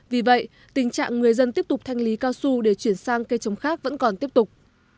vì vậy tình trạng người dân tiếp tục thanh lý cao su để chuyển sang cây trồng khác vẫn còn tiếp tục